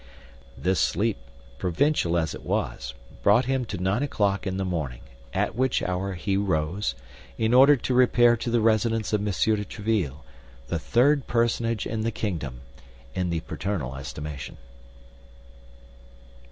This sleep, provincial as it was, brought him to nine o'clock in the morning; at which hour he rose, in order to repair to the residence of M. de Tréville, the third personage in the kingdom, in the paternal estimation.